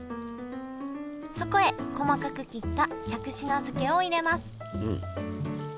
そこへ細かく切ったしゃくし菜漬けを入れます